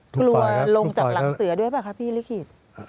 กลัวลงจากหลังเสือด้วยป่ะคะพี่ลิขิต